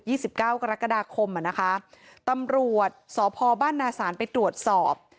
สิบเก้ากรกฎาคมอ่ะนะคะตำรวจสพบ้านนาศาลไปตรวจสอบ